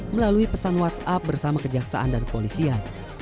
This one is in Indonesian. melalui pesan whatsapp bersama kejaksaan dan kepolisian